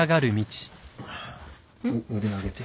腕上げて。